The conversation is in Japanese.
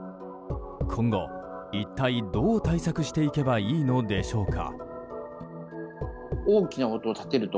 今後、一体どう対策していけばいいのでしょうか。